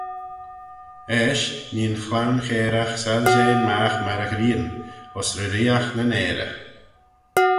Eisht nee yn chloan chairagh soilshean magh myr y ghrian, ayns reeriaght nyn ayrey.